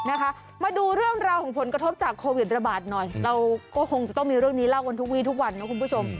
นะคะมาดูเรื่องราวของผลกระทบจากโควิดระบาดหน่อยเราก็คงจะต้องมีเรื่องนี้เล่ากันทุกวีทุกวันนะคุณผู้ชม